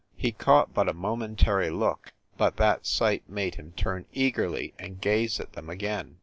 He caught but a momentary look, but that sight made him turn eagerly and gaze at them again.